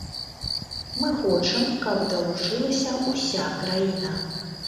Мы хочам, каб далучылася ўся краіна.